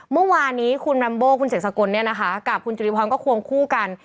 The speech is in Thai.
เมื่อวานนี้คุณลัมโบคุณเสกสกลเนี่ยนะคะกับคุณจุริพรก็ควงคู่กัน